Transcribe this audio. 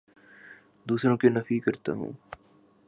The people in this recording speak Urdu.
دوسروں کے نفی کرتا ہوں